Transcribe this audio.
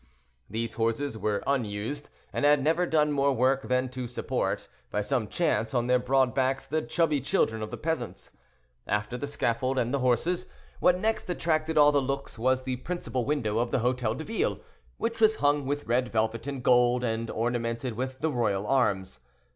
These horses were unused, and had never done more work than to support, by some chance, on their broad backs the chubby children of the peasants. After the scaffold and the horses, what next attracted all looks was the principal window of the Hotel de Ville, which was hung with red velvet and gold, and ornamented with the royal arms.